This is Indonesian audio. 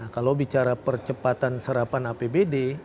kalau bicara percepatan serapan apbd